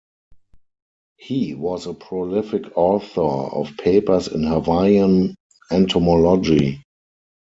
He was a prolific author of papers in Hawaiian entomology.